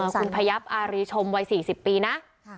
คุณพยับอารีชมวัย๔๐ปีนะ